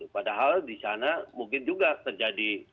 padahal di sana mungkin juga terjadi